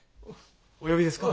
お呼びですか？